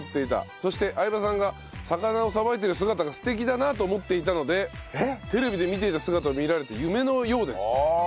そして相葉さんが魚を捌いている姿が素敵だなと思っていたのでテレビで見ていた姿を見られて夢のようですと。